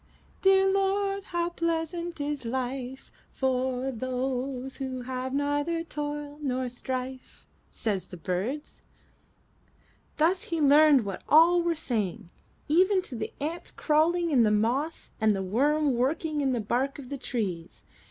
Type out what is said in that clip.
'"Dear Lord, how pleasant is life. For those who have neither toil nor strife,' Say the birds." Thus he learned what all were saying, even to the ant crawling in the moss and the worm working in the bark of the trees.